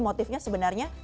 faktor motifnya sebenarnya